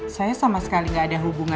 saya sama sekali nggak ada hubungan